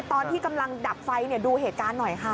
ตอนที่กำลังดับไฟดูเหตุการณ์หน่อยค่ะ